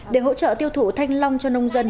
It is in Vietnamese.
để hỗ trợ tiêu thụ thanh long cho nông dân